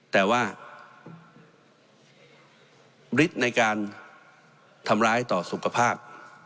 แต่ว่าฤทธิ์ในการทำร้ายต่อสุขภาพ